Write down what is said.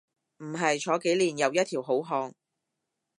唔係，坐幾年又一條好漢